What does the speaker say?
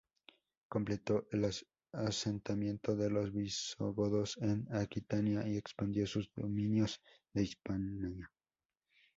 Completó el asentamiento de los visigodos en Aquitania y expandió sus dominios a Hispania.